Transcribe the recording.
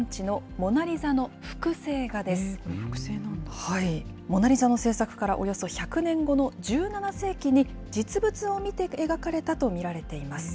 モナリザの制作からおよそ１００年後の１７世紀に、実物を見て描かれたと見られています。